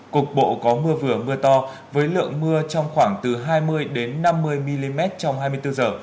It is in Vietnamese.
cục bộ có mưa vừa mưa to với lượng mưa trong khoảng từ hai mươi năm mươi mm trong hai mươi bốn h